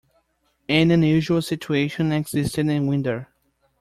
An unusual situation existed in Winder.